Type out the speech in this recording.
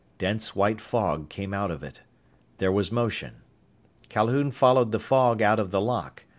Dense white fog came out of it. There was motion. Calhoun followed the fog out of the lock.